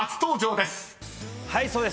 はいそうです。